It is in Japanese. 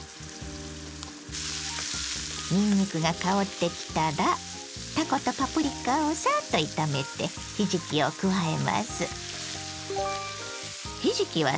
にんにくが香ってきたらたことパプリカをさっと炒めてひじきを加えます。